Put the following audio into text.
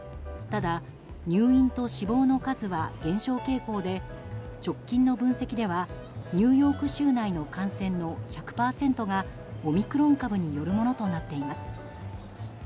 ただ入院と死亡の数は減少傾向で直近の分析ではニューヨーク州内の感染の１００％がオミクロン株によるものとなっています。